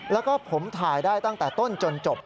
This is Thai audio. แล้วก็ผมถ่ายได้ตั้งแต่ต้นจนจบ